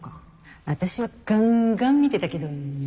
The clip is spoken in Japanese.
私はガンガン見てたけどね。